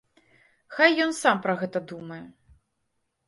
Хай ён сам пра гэта думае.